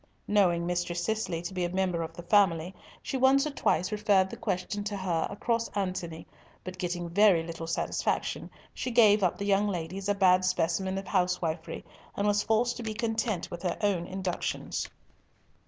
Knowing Mistress Cicely to be a member of the family, she once or twice referred the question to her across Antony, but getting very little satisfaction, she gave up the young lady as a bad specimen of housewifery, and was forced to be content with her own inductions.